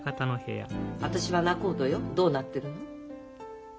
私は仲人よどうなってるの？